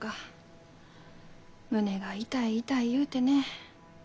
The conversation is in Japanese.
胸が痛い痛い言うてね。